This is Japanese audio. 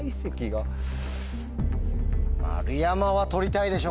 丸山は取りたいでしょ